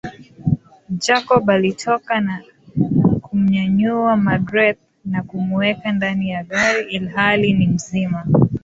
Jacob alitoka na kumnyanyua magreth na kumuweka ndani ya gari ilihali ni mzima